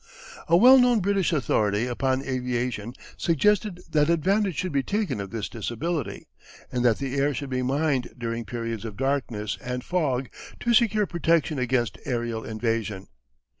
A well known British authority upon aviation suggested that advantage should be taken of this disability, and that the air should be mined during periods of darkness and fog to secure protection against aerial invasion.